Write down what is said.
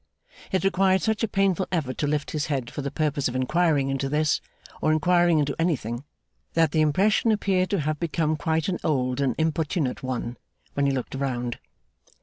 It required such a painful effort to lift his head for the purpose of inquiring into this, or inquiring into anything, that the impression appeared to have become quite an old and importunate one when he looked round.